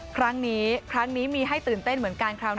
ครั้งนี้มีให้ตื่นเต้นเหมือนกันคราวนี้